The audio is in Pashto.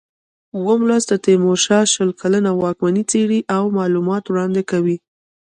اووم لوست د تیمورشاه شل کلنه واکمني څېړي او معلومات وړاندې کوي.